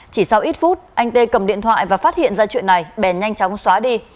chỉ sau ít phút anh tê cầm điện thoại và phát hiện ra chuyện này bèn nhanh chóng xóa đi